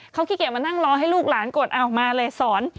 เขาขี้เกียจมานั่งรอให้ลูกหลานกดเอามาเลยสอน